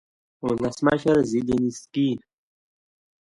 ولسمشرزیلینسکي